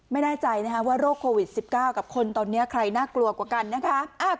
ไม่แน่ใจนะคะว่าโรคโควิด๑๙กับคนตอนนี้ใครน่ากลัวกว่ากันนะคะ